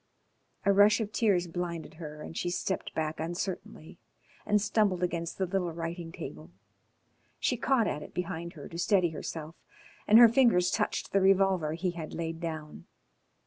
A rush of tears blinded her and she stepped back uncertainly and stumbled against the little writing table. She caught at it behind her to steady herself, and her fingers touched the revolver he had laid down.